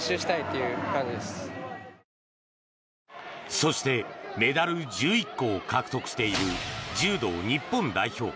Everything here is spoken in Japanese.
そしてメダル１１個を獲得している柔道日本代表。